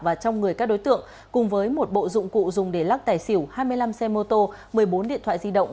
và trong người các đối tượng cùng với một bộ dụng cụ dùng để lắc tài xỉu hai mươi năm xe mô tô một mươi bốn điện thoại di động